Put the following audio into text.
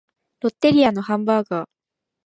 ロッテリアのハンバーガー